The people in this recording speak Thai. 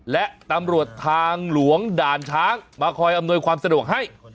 และตำรวจทางหลวงด่านช้างมาคอยอำนวยความสะดวกให้